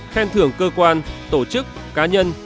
chín khen thưởng cơ quan tổ chức cá nhân